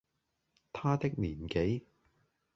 他的年紀，